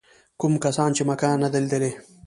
کوم کسان چې مکه نه ده لیدلې.